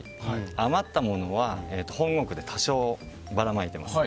余ったものは本国で多少ばらまいています。